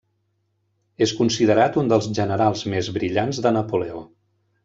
És considerat un dels generals més brillants de Napoleó.